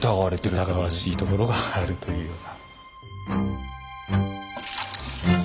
疑わしいところがあるというような。